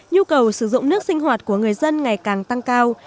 nhu cầu sử dụng nước sinh hoạt của người dân ngày càng tăng cao